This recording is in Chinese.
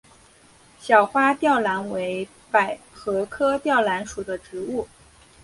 小花吊兰为百合科吊兰属的植物。